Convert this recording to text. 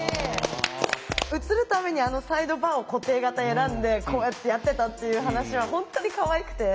写るためにあのサイドバーを固定型選んでこうやってやってたっていう話は本当にかわいくて。